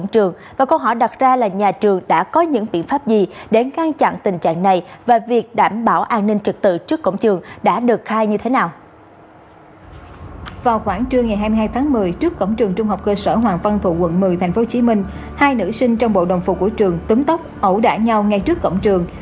trong bộ đồng phục của trường tấm tóc ẩu đả nhau ngay trước cổng trường